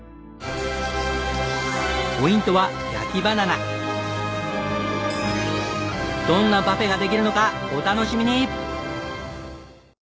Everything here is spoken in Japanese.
ポイントはどんなパフェができるのかお楽しみに！